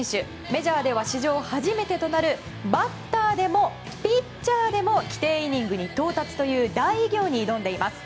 メジャーでは史上初めてとなるバッターでもピッチャーでも規定イニングに到達という大偉業に挑んでいます。